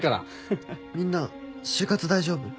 みんな就活大丈夫？